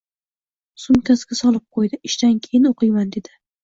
Sumkasiga solib qoʻydi – ishdan keyin oʻqiyman, dedi.